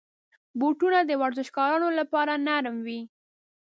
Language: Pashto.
بوټونه د ورزشکارانو لپاره نرم وي.